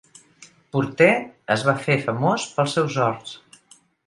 Porter es va fer famós pels seus horts.